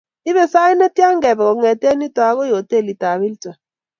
Ibe sait netya kebe kong'et yuto akoi hotelit ab Hilton?